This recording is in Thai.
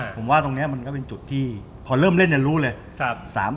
ผมว่าตรงนี้มันก็เป็นจุดที่พอเริ่มเล่นรู้เลย